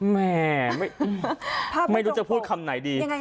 แม่ไม่รู้จะพูดคำไหนดี